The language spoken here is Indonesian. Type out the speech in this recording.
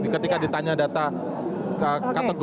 ketika ditanya data kategori gizi buruk yang seperti apa